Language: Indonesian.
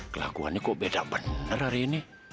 kelakuannya kok beda benar hari ini